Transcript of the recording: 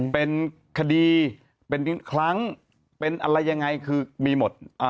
เป็นคดีเป็นครั้งเป็นอะไรยังไงคือมีหมด